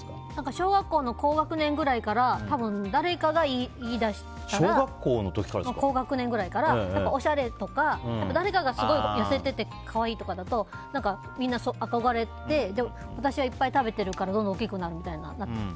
小学校の高学年くらいから誰かが言い出したらおしゃれとか誰かがすごく痩せてて可愛いとかだと、みんな憧れて私はいっぱい食べてるからどんどん大きくなるみたいな。